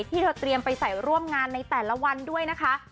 ที่เธอเตรียมไปใส่ร่วมงานในแต่ละวันด้วยนะคะ